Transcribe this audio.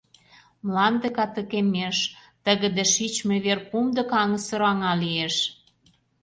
Мланде катыкемеш; тыгыде, шичме вер кумдык аҥысыр аҥа лиеш.